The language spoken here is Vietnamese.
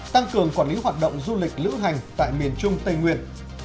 tăng cường quản lý hoạt động du lịch lữ hành tại miền trung tây nguyên